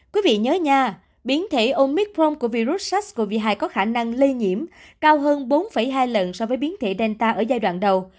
quý vị nhớ nha biến thể omic prong của virus sars cov hai có khả năng lây nhiễm cao hơn bốn hai lần so với biến thể danta ở giai đoạn đầu